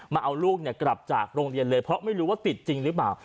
มาเอาลูกกลับจากโรงเรียนเลยเพราะไม่รู้ว่าติดจริงหรือเปล่า